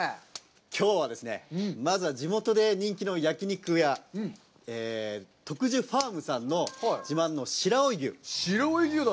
きょうはですね、まずは地元で人気の焼き肉屋、徳寿ファームさんの自慢の白老牛。